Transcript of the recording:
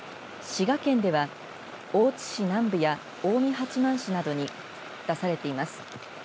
滋賀県では大津市南部や近江八幡市などに出されています。